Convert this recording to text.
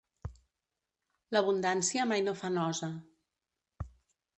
L'abundància mai no fa nosa.